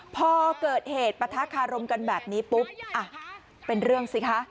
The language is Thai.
พอเกิดเหตุปะทะคารมกันแบบนี้ปุ๊บอ่ะเป็นเรื่องสิคะ